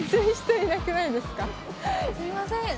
すいません。